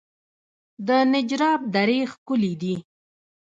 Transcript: د نجراب درې ښکلې دي